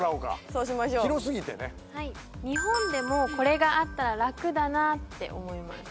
そうしましょう日本でもこれがあったら楽だなって思います